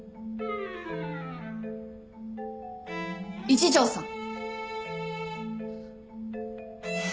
一条さん。